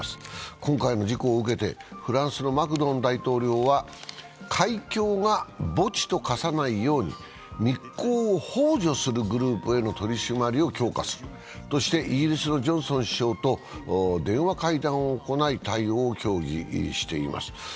今回の事故を受けて、フランスのマクロン大統領は海峡が墓地と化さないように密航をほう助するグループへの取り締まりを強化するとして、イギリスのジョンソン首相と電話会談を行い、対応を協議しています。